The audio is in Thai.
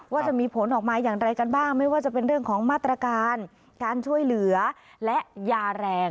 ว่าจะมีผลออกมาอย่างไรกันบ้างไม่ว่าจะเป็นเรื่องของมาตรการการช่วยเหลือและยาแรง